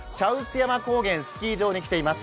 山高原スキー場に来ています。